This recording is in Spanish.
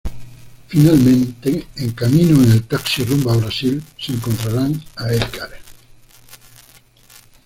Finalmente, en camino en el taxi rumbo a Brasil, se encontrarán a Edgar.